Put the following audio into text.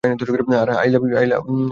I love you to you.